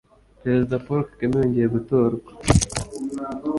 Perezida Paul Kagame yongeye gutorwa.